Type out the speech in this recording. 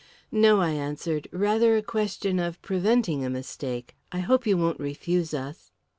"No," I answered; "rather a question of preventing a mistake. I hope you won't refuse us."